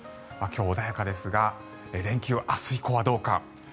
今日、穏やかですが連休、明日以降はどうか。